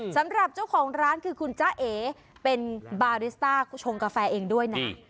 สำหรับเจ้าของร้านคือคุณจ้าเอเป็นบาริสต้าชงกาแฟเองด้วยนะ